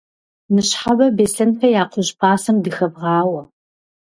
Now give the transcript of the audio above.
Ныщхьэбэ Беслъэнхэ я кхъужь пасэм дыхэвгъауэ.